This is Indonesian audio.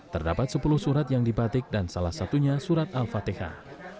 terdapat sepuluh surat yang dibatik dan salah satunya surat al fatihah